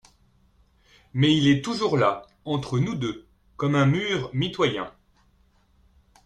Mais il est toujours là, entre nous deux… comme un mur mitoyen.